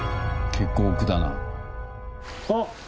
結構奥だな。